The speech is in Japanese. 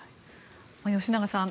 吉永さん